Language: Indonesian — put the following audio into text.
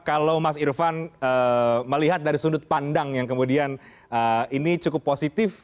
kalau mas irfan melihat dari sudut pandang yang kemudian ini cukup positif